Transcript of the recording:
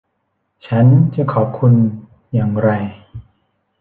ฉันจะขอบคุณอย่างไร